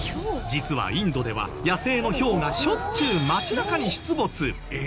実はインドでは野生のヒョウがしょっちゅう街中に出没。